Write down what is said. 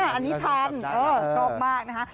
อันนี้ทันชอบมากนะคะ